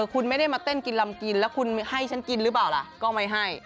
คุณไม่ได้มาเต้นกินลำกินแล้วคุณให้ฉันกินหรือเปล่าล่ะก็ไม่ให้